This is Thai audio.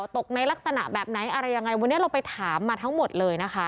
ตกในลักษณะแบบไหนอะไรยังไงวันนี้เราไปถามมาทั้งหมดเลยนะคะ